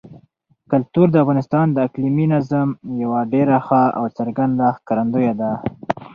کلتور د افغانستان د اقلیمي نظام یوه ډېره ښه او څرګنده ښکارندوی ده.